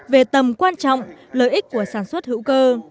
về tầm quan trọng lợi ích của sản xuất hữu cơ